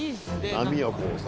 波をこうさ